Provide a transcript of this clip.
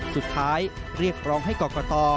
สุดท้ายเรียกร้องให้กรกต